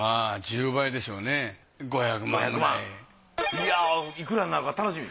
いやいくらになるか楽しみ。